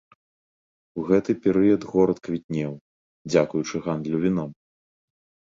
У гэты перыяд горад квітнеў, дзякуючы гандлю віном.